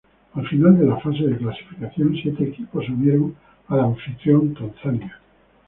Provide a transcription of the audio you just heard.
Al final de la fase de clasificación, siete equipos se unieron al anfitrión Tanzania.